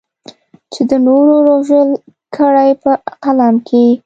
چې د نورو رژول کړې په قلم کې.